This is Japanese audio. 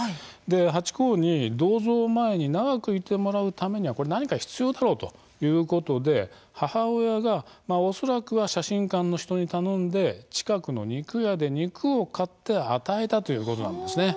ハチ公に銅像前に長くいてもらうためには何か必要だろうということで母親が恐らく写真館の人に頼んで近くの肉屋で肉を買って与えたということなんです。